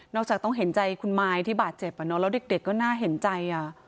จากต้องเห็นใจคุณมายที่บาดเจ็บแล้วเด็กก็น่าเห็นใจ